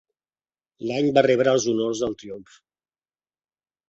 L'any va rebre els honors del triomf.